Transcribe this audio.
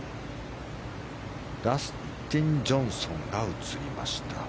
ダスティン・ジョンソンが映りました。